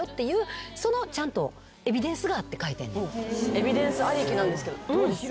エビデンスありきなんですけどどうですか？